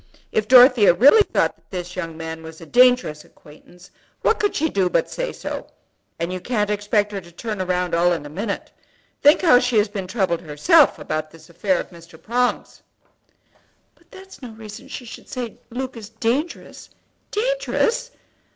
If Dorothea really thought that this young man was a dangerous acquaintance what could she do but say so? And you can't expect her to turn round all in a minute. Think how she has been troubled herself about this affair of Mr. Prong's." "But that's no reason she should say that Luke is dangerous. Dangerous!